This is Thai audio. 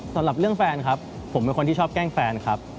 สำหรับเรื่องแฟนครับผมเป็นคนที่ชอบแกล้งแฟนครับ